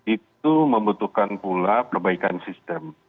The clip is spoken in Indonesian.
itu membutuhkan pula perbaikan sistem